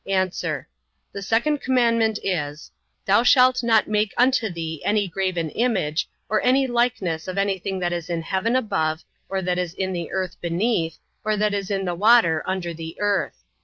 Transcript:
A. The second commandment is, Thou shalt not make unto thee any graven image, or any likeness of anything that is in heaven above, or that is in the earth beneath, or that is in the water under the earth.